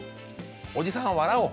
おじさんは笑おう。